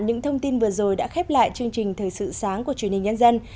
những thông tin vừa rồi đã khép lại chương trình thời sự sáng của truyền hình nhân dân